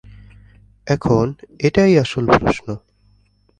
এখন, এটাই আসল প্রশ্ন।